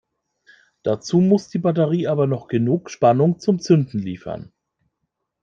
Dazu muss die Batterie aber noch genug Spannung zum Zünden liefern.